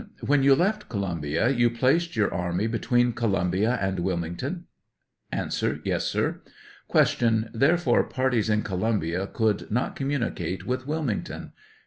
When you left Columbia, you placed your army between Columbia and Wilmington ? A. Yes, sir. Q. Therefore parties in Columbia could not commu nicate with Wilmington